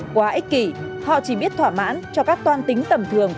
quá ích kỷ họ chỉ biết thỏa mãn cho các toan tính tầm thường